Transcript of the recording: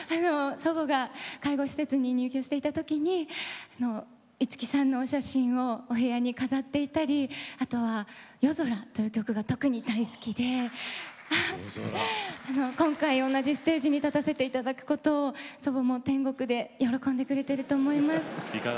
祖母が介護施設に入院していた時に五木さんのお写真を飾っていたりあとは特に「夜空」という曲が大好きで、今回、同じステージに立たせていただくことを祖母も天国で喜んでくれていると思います。